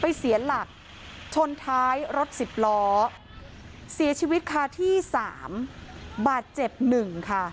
ไปเสียหลักชนท้ายรถสิบล้อเสียชีวิตค่ะที่๓บาทเจ็บ๑ค่ะ